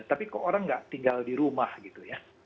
tapi kok orang nggak tinggal di rumah gitu ya